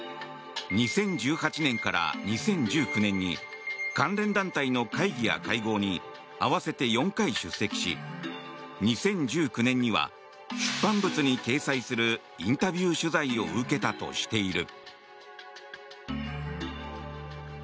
２０１８年から２０１９年に関連団体の会議や会合に合わせて４回出席し２０１９年には出版物に掲載するインタビュー取材を受けたとしている。